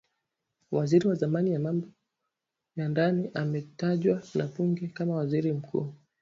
waziri wa zamani wa mambo ya ndani aliyetajwa na bunge kama waziri mkuu